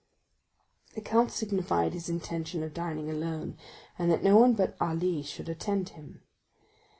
The count signified his intention of dining alone, and that no one but Ali should attend him.